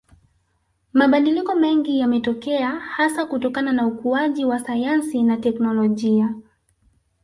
Mabadiliko mengi yametokea hasa kutokana na ukuaji wa sayansi na technolojia